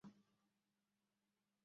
কী মনে হয় তোর, শালা?